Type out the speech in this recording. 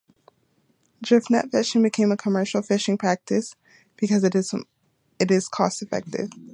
Drift net fishing became a commercial fishing practice because it is cost effective.